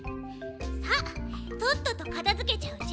さあとっととかたづけちゃうち。